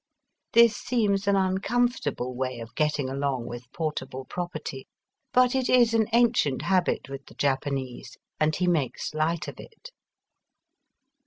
This seems an uncom fortable way of getting along with portable property; but it is an ancient habit with the Japanese, and he makes light of it.